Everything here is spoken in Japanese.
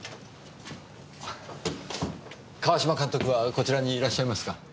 川島監督はこちらにいらっしゃいますか？